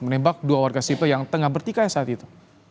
menembak dua warga sipil yang tengah bertikai saat itu